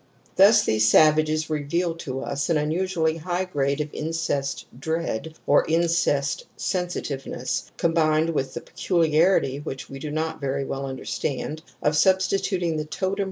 ^ Thus these savages reveal to us an unusually high grade of incest dread or incest sensitiveness, combined with the peculiarity, which we do not very well understand, of substituting the totem